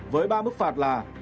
với ba mức phạt là